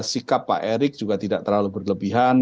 sikap pak erick juga tidak terlalu berlebihan